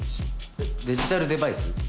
デジタルデバイス？